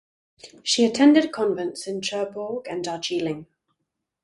She attended convents in Cherbourg and Darjeeling.